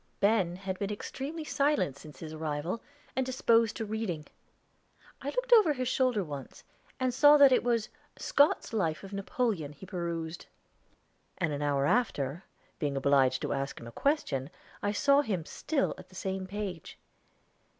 Ben had been extremely silent since his arrival, and disposed to reading. I looked over his shoulder once, and saw that it was "Scott's Life of Napoleon" he perused; and an hour after, being obliged to ask him a question, saw him still at the same page.